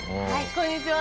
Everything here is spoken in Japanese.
こんにちは。